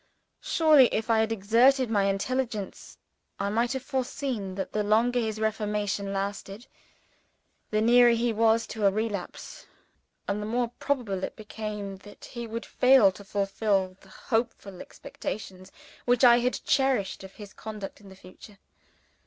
Surely if I had exerted my intelligence I might have foreseen that the longer his reformation lasted, the nearer he was to a relapse, and the more obviously probable it became that he would fail to fulfill the hopeful expectations which I had cherished of his conduct in the future?